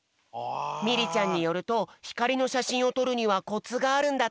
ミリちゃんによるとひかりのしゃしんをとるにはコツがあるんだって！